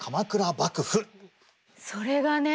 それがね